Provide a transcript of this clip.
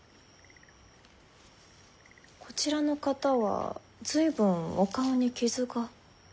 こちらの方は随分お顔に傷が。